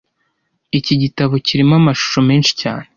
Iki gitabo kirimo amashusho menshi cyane